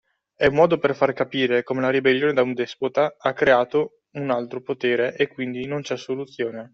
È un modo per far capire come la ribellione da un despota ha creato un altro potere e quindi non c'è soluzione.